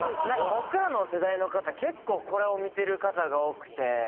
何か僕らの世代の方結構これを見てる方が多くて。